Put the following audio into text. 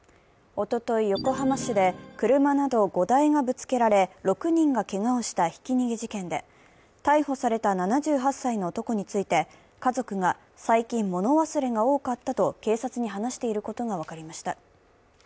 おととい、横浜市で車など５台がぶつけられ、６人がけがをしたひき逃げ事件で、逮捕された７８歳の男について、家族が最近物忘れが多かったと警察に話していることが分かりました。